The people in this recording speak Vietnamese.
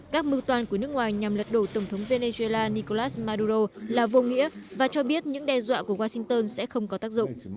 các mưu toàn của nước ngoài nhằm lật đổ tổng thống venezuela nicolas maduro là vô nghĩa và cho biết những đe dọa của washington sẽ không có tác dụng